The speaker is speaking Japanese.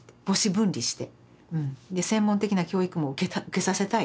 専門的な教育も受けさせたい。